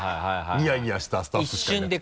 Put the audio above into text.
ニヤニヤしたスタッフしかいなくて。